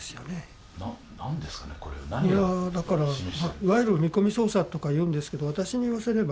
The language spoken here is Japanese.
いわゆる見込み捜査とかいうんですけど私に言わせれば